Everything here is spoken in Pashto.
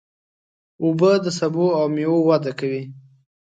اوبه د سبو او مېوو وده کوي.